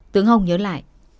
tướng hồng nhớ lại